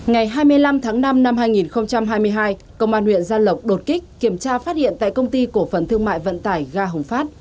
ngày hai mươi năm tháng năm năm hai nghìn hai mươi hai công an huyện gia lộc đột kích kiểm tra phát hiện tại công ty cổ phần thương mại vận tải ga hồng phát